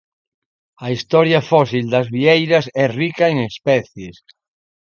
A historia fósil das vieiras é rica en especies.